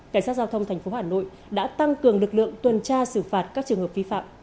cảnh sát giao thông tp hà nội đã tăng cường lực lượng tuần tra xử phạt các trường hợp vi phạm